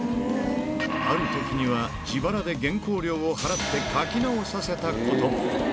あるときには、自腹で原稿料を払って書き直させたことも。